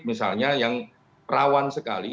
misalnya yang rawan sekali